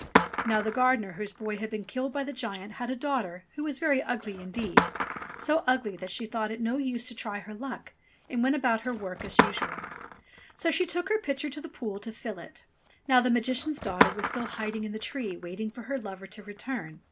Now the gardener whose boy had been killed by the giant had a daughter who was very ugly indeed — so ugly that she thought it no use to try her luck, and went about her work as usual. So she took her pitcher to the pool to fill it. Now the Magician's daughter was still hiding in the tree waiting for her lover to return.